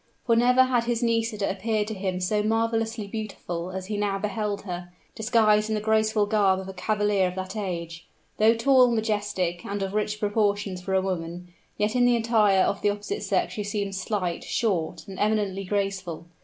For never had his Nisida appeared to him so marvelously beautiful as he now beheld her, disguised in the graceful garb of a cavalier of that age. Though tall, majestic, and of rich proportions for a woman, yet in the attire of the opposite sex she seemed slight, short, and eminently graceful.